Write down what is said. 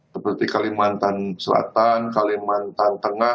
seperti kalimantan selatan kalimantan tengah